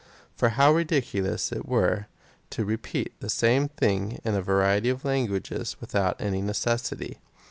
For how ridiculous it were, to repeat the same thing in a variety of languages Avithout any necessity!